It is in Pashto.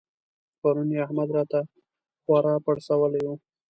پرون يې احمد راته خورا پړسولی وو.